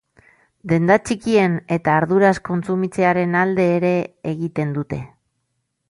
Denda txikien eta arduraz kontsumitzearen alde ere egiten dute.